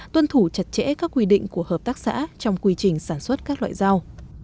tuân thủ chặt chẽ các quy định của hợp tác xã trong quy trình sản xuất các loại rau